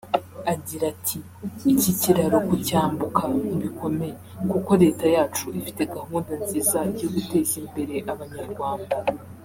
Agira ati “Iki kiraro kucyambuka ntibikomeye kuko leta yacu ifite gahunda nziza yo guteza imbere Abanyarwanda